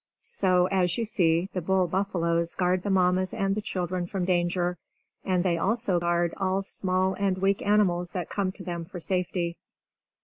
So, as you see, the bull buffaloes guard the Mammas and the children from danger, and they also guard all small and weak animals that come to them for safety.